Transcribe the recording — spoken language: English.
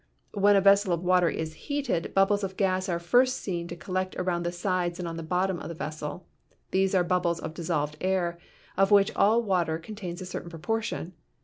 When a vessel of water is heated, bubbles of gas are first seen to collect around the sides and on the bottom of the vessel. These are bubbles of dissolved air, of which all water contains a certain proportion.